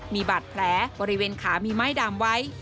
มีบาดแผลบริเวณขามีไม้ดำไว้